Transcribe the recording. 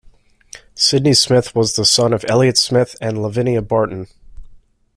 Sidney Smith was the son of Elliot Smith and Lavinia Barton.